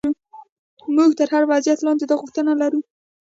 موږ تر هر ډول وضعیت لاندې دا غوښتنه لرو.